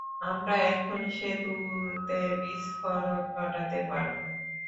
আমরা এখন সেতুতে বিস্ফোরণ ঘটাতে পারবো!